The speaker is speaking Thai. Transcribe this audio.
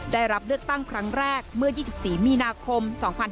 ได้รับเลือกตั้งครั้งแรกเมื่อ๒๔มีนาคม๒๕๕๙